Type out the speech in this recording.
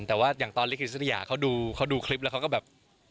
แต่ว่าตอนนิสตุทริยาเค้าดูคลิปแล้วก็แบบ